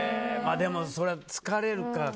でも、それは疲れるか。